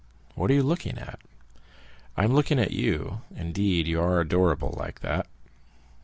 "What are you looking at?" "I am looking at you; indeed you are adorable like that!